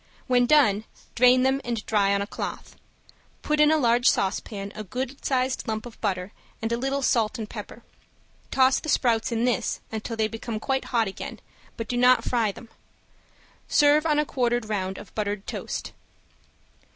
When done drain them and dry on a cloth. Put in a large saucepan a good sized lump of butter and a little salt and pepper. Toss the sprouts in this until they become quite hot again, but do not fry them. Serve on a quartered round of buttered toast.